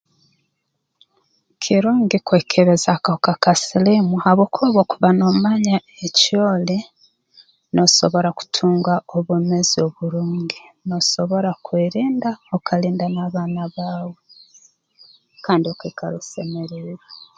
Kirungi kwekebeza akahuka ka siliimu habwokuba obu okuba noomaanya eki oli noosobora kutunga obwomeezi oburungi noosobora kwerinda okalinda n'abaana baawe kandi okaikara osemeriirwe